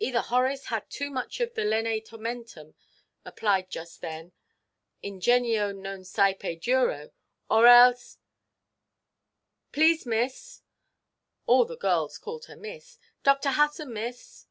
Either Horace had too much of the 'lene tormentumʼ applied just then 'ingenio non sæpe duro,' or else——" "Please, miss"—all the girls called her miss—"Dr. Hutton, miss!"